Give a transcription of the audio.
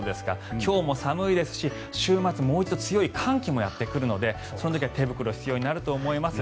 今日も寒いですし週末、もう一度強烈な寒気がやってくるのでその時は手袋、必要になると思います。